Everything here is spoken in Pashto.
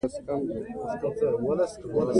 چا دې صفت راته کاوه راغلی يمه